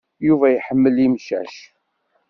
Yuba iḥemmel imcac?